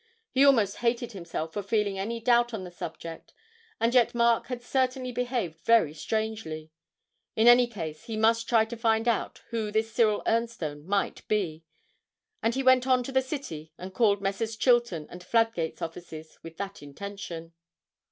He almost hated himself for feeling any doubt on the subject, and yet Mark had certainly behaved very strangely; in any case he must try to find out who this Cyril Ernstone might be, and he went on to the City and called at Messrs. Chilton and Fladgate's offices with that intention.